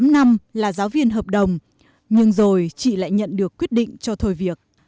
tám năm là giáo viên hợp đồng nhưng rồi chị lại nhận được quyết định cho thời việc